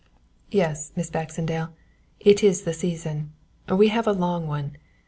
"Yes, Miss Baxendale, it is the season we have a long one.